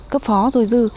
cấp phó dôi dư